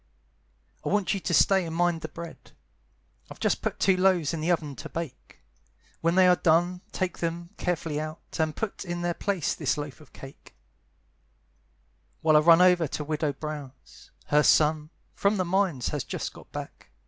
"I want you to stay and mind the bread, I've just put two loaves in the oven to bake; When they are clone take them carefully out, And put in their place this loaf of cake, "While I run over to Widow Brown's; Her son, from the mines, has just got back.